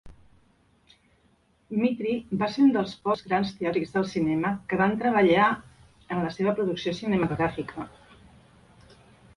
Mitry va ser un dels pocs grans teòrics del cinema que van treballar en la seva producció cinematogràfica.